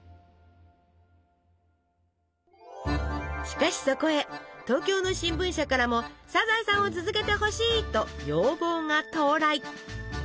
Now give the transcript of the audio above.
しかしそこへ東京の新聞社からも「サザエさん」を続けてほしいと要望が到来！